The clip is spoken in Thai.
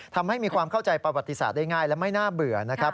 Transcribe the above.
ทำให้มีความเข้าใจประวัติศาสตร์ได้ง่ายและไม่น่าเบื่อนะครับ